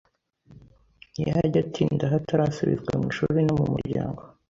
ntiyajya atinda aho atarasubizwa mu ishuri no mu muryango.